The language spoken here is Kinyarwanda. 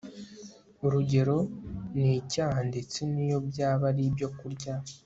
urugero ni icyaha ndetse niyo byaba ari ibyokurya